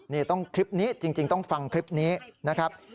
นี่ต้องคลิปนี้จริงต้องฟังคลิปนี้นะครับ